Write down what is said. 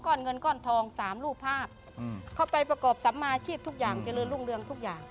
เงินก้อนทองสามรูปภาพเข้าไปประกอบสัมมาชีพทุกอย่างเจริญรุ่งเรืองทุกอย่าง